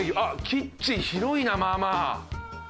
キッチン広いなまあまあ。